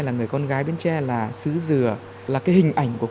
nhưng cũng rất là dũng cảm và anh hùng